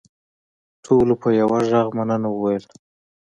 ټولو په یوه غږ مننه وویل.